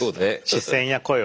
視線や声を使う。